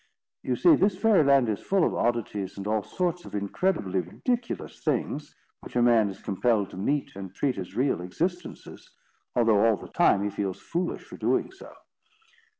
You see this Fairy Land is full of oddities and all sorts of incredibly ridiculous things, which a man is compelled to meet and treat as real existences, although all the time he feels foolish for doing so.